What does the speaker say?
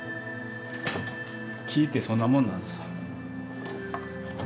木ってそんなもんなんですよ。